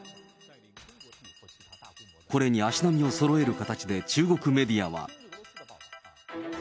これに足並みをそろえる形で中国メディアは。